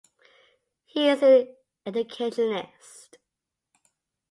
He is an Educationist.